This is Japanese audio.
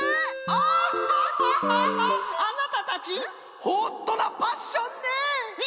あなたたちホットなパッションね！